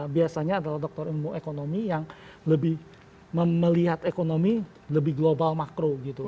biasanya adalah dokter ekonomi yang lebih melihat ekonomi lebih global makro gitu